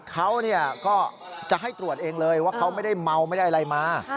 เขาก็จะให้ตรวจเองเลยว่าเขาไม่ได้เมาไม่ได้อะไรมา